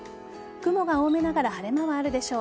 雲が多めながら晴れ間はあるでしょう。